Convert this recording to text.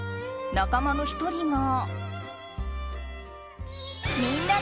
仲間の１人が。